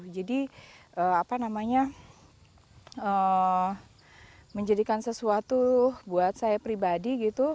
jadi apa namanya menjadikan sesuatu buat saya pribadi